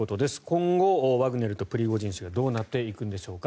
今後、ワグネルとプリゴジン氏がどうなっていくんでしょうか。